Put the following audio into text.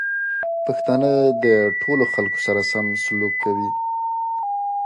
پښتانه د ټولو خلکو سره سم سلوک کوي.